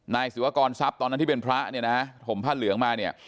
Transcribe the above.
ศิวากรทรัพย์ตอนนั้นที่เป็นพระเนี่ยนะห่มผ้าเหลืองมาเนี่ย